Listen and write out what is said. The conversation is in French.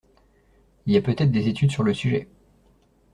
Y a peut-être des études sur le sujet.